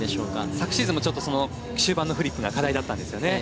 昨シーズンもちょっとその終盤のフリップが課題だったんですよね。